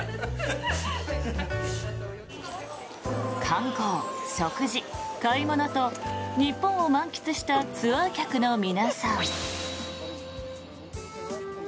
観光、食事、買い物と日本を満喫したツアー客の皆さん。